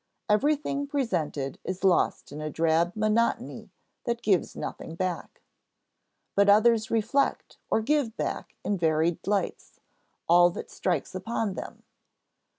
Everything presented is lost in a drab monotony that gives nothing back. But others reflect, or give back in varied lights, all that strikes upon them.